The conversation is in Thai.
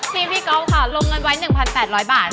พี่ก๊อฟค่ะลงเงินไว้๑๘๐๐บาท